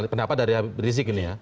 pendapat dari habib rizik ini ya